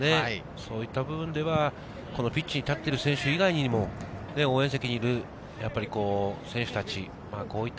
そういった部分ではこのピッチに立っている選手以外にも応援席にいる選手たち。